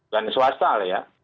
dan suasana ya